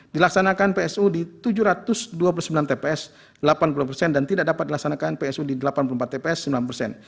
dilaksanakan psu di tujuh ratus dua puluh sembilan tps delapan puluh persen dan tidak dapat dilaksanakan psu di delapan puluh empat tps sembilan persen